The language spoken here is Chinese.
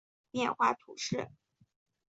洛克梅拉人口变化图示